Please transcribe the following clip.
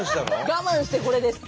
我慢してこれです。